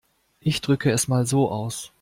Ich drücke es mal so aus.